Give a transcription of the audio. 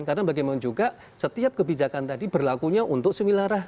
karena bagaimana juga setiap kebijakan tadi berlakunya untuk semilarah